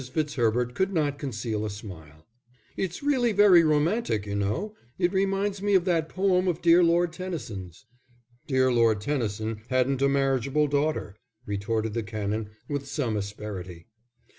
Fitzherbert could not conceal a smile. "It's really very romantic, you know. It reminds me of that poem of dear Lord Tennyson's." "Dear Lord Tennyson hadn't a marriageable daughter," retorted the Canon, with some asperity.